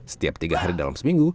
setiap tiga hari dalam seminggu